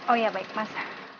oh iya baik mas